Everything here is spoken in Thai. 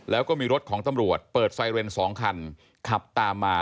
แล้วก็มีรถของตำรวจเปิดไซเรน๒คันขับตามมา